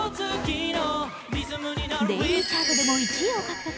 デイリーチャートでも１位を獲得。